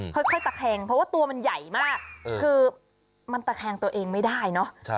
ค่อยตะแคงเพราะว่าตัวมันใหญ่มากคือมันตะแคงตัวเองไม่ได้เนอะ